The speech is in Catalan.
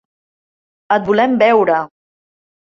Et volem veure.